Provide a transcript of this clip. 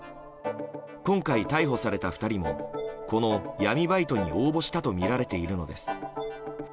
今回、逮捕された２人もこの闇バイトに応募したとみられているのです。